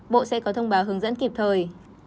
bộ sẽ có thông báo hướng dẫn kịp thời